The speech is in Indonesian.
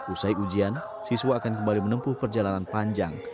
usai ujian siswa akan kembali menempuh perjalanan panjang